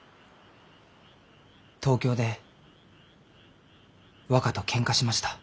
東京で若とけんかしました。